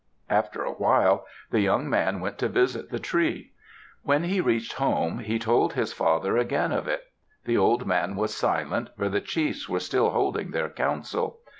After a while, the young man went to visit the tree. When he reached home, he told his father again of it. The old man was silent, for the chiefs were still holding their council.